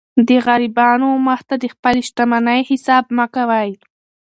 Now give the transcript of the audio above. د غریبانو و مخ ته د خپلي شتمنۍ حساب مه کوئ!